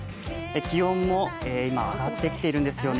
気温も今上がってきているんですよね。